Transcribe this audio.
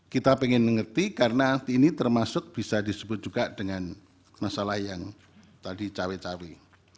kita ingin mengerti karena ini termasuk bisa disebut juga dengan masalah yang tadi cawe cawe